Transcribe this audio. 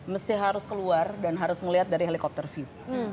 mesti harus keluar dan harus melihat dari helikopter view